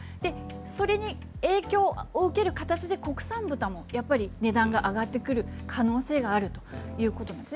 それに影響を受ける形で国産豚も値段が上がってくる可能性があるということです。